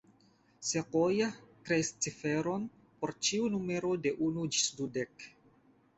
Sequoyah kreis ciferon por ĉiu numero de unu ĝis dudek